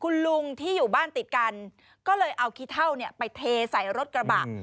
คุณลุงที่อยู่บ้านติดกันก็เลยเอาขี้เท่าไปเทใส่รถกระบะ